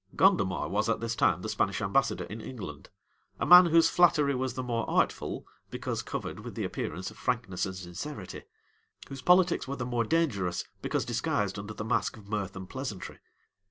Gondomar was at this time the Spanish ambassador in England; a man whose flattery was the more artful, because covered with the appearance of frankness and sincerity; whose politics were the more dangerous, because disguised under the mask of mirth and pleasantry.